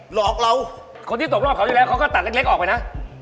หลอกเราคนที่ตกรอบเขาอยู่แล้วเขาก็ตัดเล็กออกไปนะ